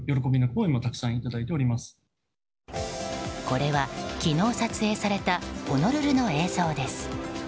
これは昨日撮影されたホノルルの映像です。